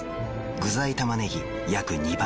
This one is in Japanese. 具材たまねぎ約２倍。